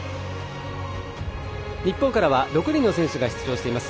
日本からは６人の選手が出場しています。